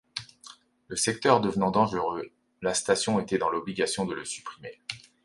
Le secteur devenant dangereux, la station était dans l'obligation de le supprimer.